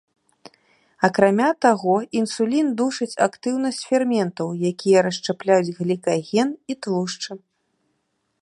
Акрамя таго, інсулін душыць актыўнасць ферментаў, якія расшчапляюць глікаген і тлушчы.